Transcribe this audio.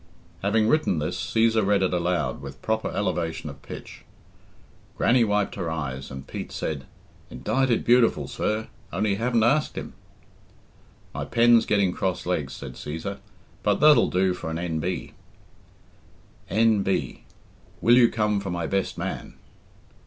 Having written this, Cæsar read it aloud with proper elevation of pitch. Grannie wiped her eyes, and Pete said, "Indited beautiful, sir only you haven't asked him." "My pen's getting crosslegs," said Cæsar, "but that'll do for an N.B." "N. B. Will you come for my best man?"